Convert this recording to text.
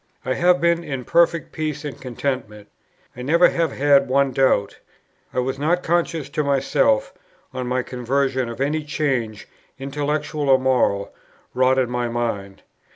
I have been in perfect peace and contentment; I never have had one doubt. I was not conscious to myself, on my conversion, of any change, intellectual or moral, wrought in my mind.